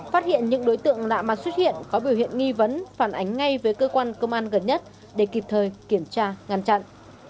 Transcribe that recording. phát hiện những đối tượng lạ mặt xuất hiện có biểu hiện nghi vấn phản ánh ngay với cơ quan công an gần nhất để kịp thời kiểm tra ngăn chặn